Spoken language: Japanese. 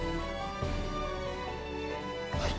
はい。